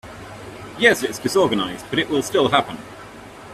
Yes, it’s disorganized but it will still happen.